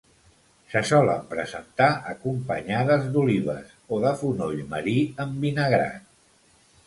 Se solen presentar acompanyades d'olives o de fonoll marí envinagrat.